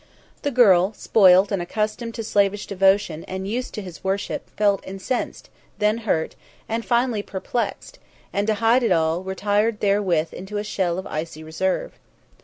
The girl, spoilt and accustomed to slavish devotion and used to his worship, felt incensed, then hurt, and finally perplexed, and, to hide it all, retired therewith into a shell of icy reserve.